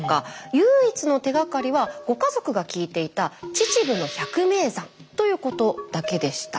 唯一の手がかりはご家族が聞いていたということだけでした。